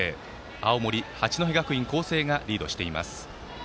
青森・八戸学院光星がリードしています。